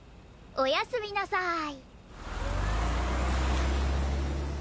おやすみなさーい。